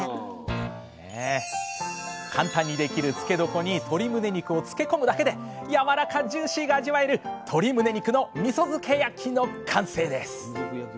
簡単にできる漬け床に鶏むね肉を漬け込むだけでやわらかジューシーが味わえる「鶏むね肉のみそ漬け焼き」の完成です！